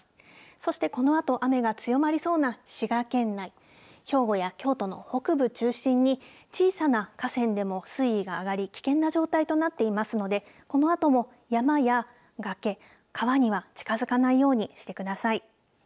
そしてこのあと、雨が強まりそうな滋賀県内兵庫や京都の北部中心に小さな河川でも水位が上がり危険な状態となっていますのでこのあとも山や崖、川には近づかないようにしてください。